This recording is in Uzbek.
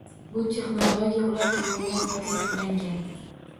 Bu texnologiya ular tomonidan patentlagan.